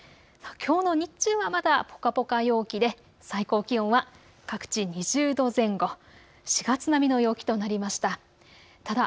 きょうの日中はまだぽかぽか陽気で最高気温は各地２０度前後、４月並みの陽気となりました。